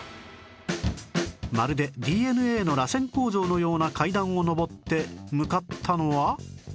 まるで ＤＮＡ の螺旋構造のような階段を上って向かったのは